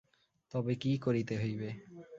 তবে কী করিতে হইবে?